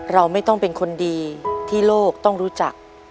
เราไม่ต้องเป็นคนดีที่โลกต้องรู้จัก